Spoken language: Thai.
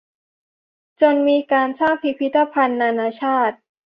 จนมีการสร้างพิพิธภัณฑ์นานาชาติ